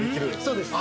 そうです。